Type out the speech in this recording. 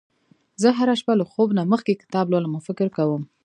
زه هره شپه له خوب نه مخکې کتاب لولم او فکر کوم